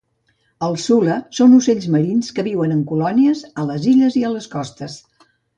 Els sula són ocells marins que viuen en colònies a les illes i a les costes.